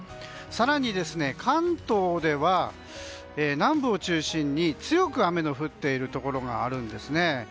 更に、関東では南部を中心に強く雨が降っているところがあるんですね。